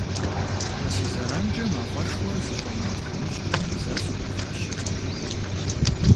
Мы си зэранкӏэ мафӏэшхуэр зыщӏэна тхьэмыщкӏэм зэ сыӏуплъащэрэт.